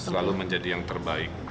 selalu menjadi yang terbaik